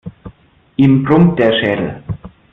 Ihm brummt der Schädel.